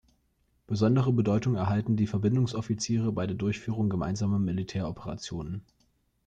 Besondere Bedeutung erhalten die Verbindungsoffiziere bei der Durchführung gemeinsamer Militäroperationen.